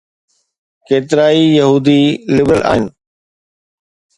ڪيترائي يهودي لبرل آهن.